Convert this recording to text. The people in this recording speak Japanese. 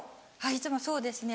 いつもそうですね